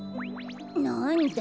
なんだ。